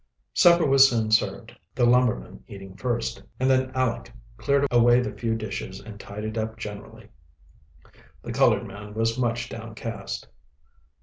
Supper was soon served, the lumberman eating first, and then Aleck cleared away the few dishes and tidied up generally. The colored man was much downcast.